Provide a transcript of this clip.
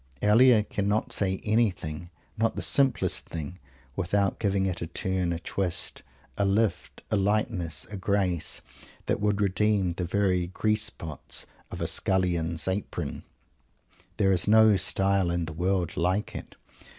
Elia cannot say anything, not the simplest thing, without giving it a turn, a twist, a lift, a lightness, a grace, that would redeem the very grease spots on a scullion's apron! There is no style in the world like it.